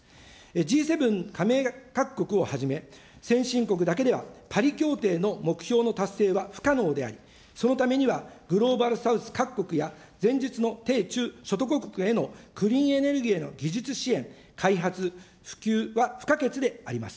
Ｇ７加盟各国をはじめ、先進国だけではパリ協定の目標の達成は不可能であり、そのためには、グローバル・サウス各国や前述の低・中所得国へのクリーンエネルギーへの技術支援、開発、普及は不可欠であります。